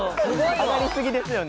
上がりすぎですよね。